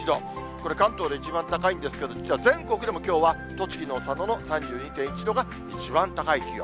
これ、関東で一番高いんですけど、実は全国でもきょうは栃木の佐野の３２．１度が一番高い気温。